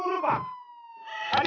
harian aku thy